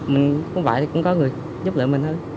mình không phải thì cũng có người giúp lỡ mình thôi